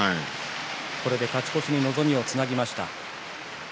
勝ち越しに望みをつなぎました。